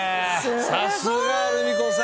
さすがルミ子さん。